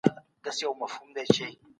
جماع تر کتلو او لمسولو لوړ حالت دی